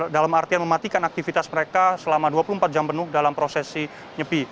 dalam artian mematikan aktivitas mereka selama dua puluh empat jam penuh dalam prosesi nyepi